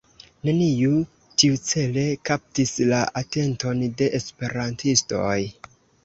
Neniu tiucele kaptis la atenton de esperantistoj.